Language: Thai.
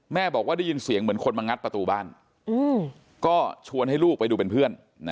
บอกว่าได้ยินเสียงเหมือนคนมางัดประตูบ้านก็ชวนให้ลูกไปดูเป็นเพื่อน